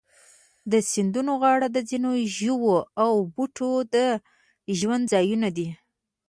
د سیندونو غاړې د ځینو ژوو او بوټو د ژوند ځایونه دي.